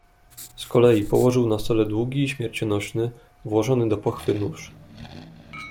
"Z kolei położył na stole długi, śmiercionośny, włożony do pochwy nóż."